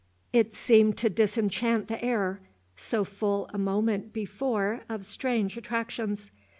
It seemed to disenchant the air, so full a moment before of strange attractions.